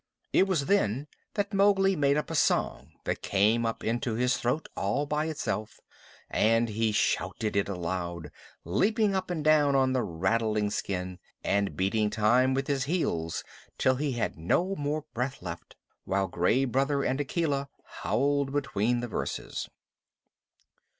It was then that Mowgli made up a song that came up into his throat all by itself, and he shouted it aloud, leaping up and down on the rattling skin, and beating time with his heels till he had no more breath left, while Gray Brother and Akela howled between the verses.